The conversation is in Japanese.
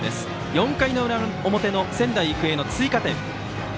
４回の表の仙台育英の追加点。